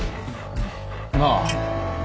なあ。